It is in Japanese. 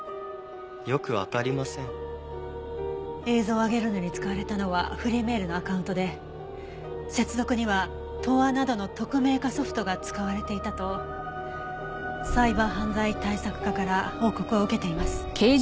映像を上げるのに使われたのはフリーメールのアカウントで接続にはＴｏｒなどの匿名化ソフトが使われていたとサイバー犯罪対策課から報告を受けています。